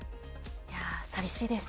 寂しいです。